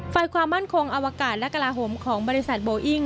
ฝ่ายความมั่นคงอวกาศและกลาโหมของบริษัทโบอิ้ง